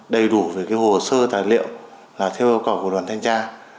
đầy đủ về hồ sơ tài liệu là theo ưu cỏ của đoàn thanh tra